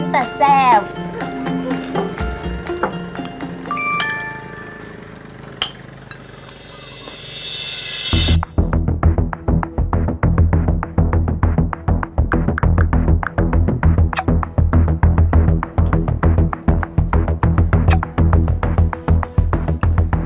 เป็นตัดแซม